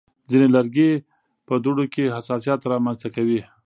ځینې لرګي په دوړو کې حساسیت رامنځته کوي.